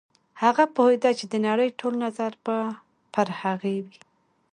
هغه پوهېده چې د نړۍ ټول نظر به پر هغې وي.